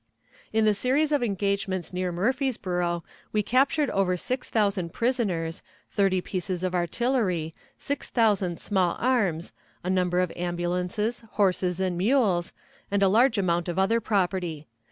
In the series of engagements near Murfreesboro we captured over 6,000 prisoners, 30 pieces of artillery, 6,000 small arms, a number of ambulances, horses, and mules, and a large amount of other property.